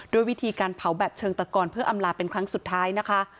ด้วยวิธีการเผาแบบเชิงตะกอนเพื่ออำลาเป็นครั้งสุดท้ายนะคะ